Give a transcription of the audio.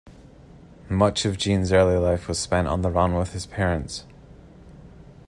Much of Jean's early life was spent on the run with his parents.